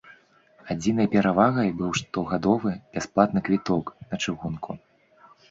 Адзінай перавагай быў штогадовы бясплатны квіток на чыгунку.